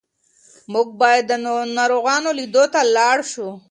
موږ باید د ناروغانو لیدو ته لاړ شو.